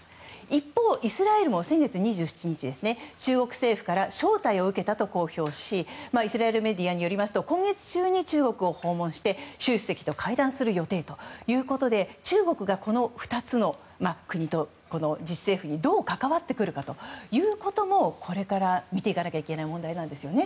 一方、イスラエルも先月２７日中国政府から招待を受けたと公表しイスラエルメディアによりますと今月中に中国を訪問して習主席と会談する予定ということで中国が２つの国と自治政府にどう関わってくるかもこれから見ていかなきゃいけない問題なんですよね。